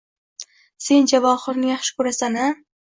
Sen Javohirni yaxshi ko`rasan-a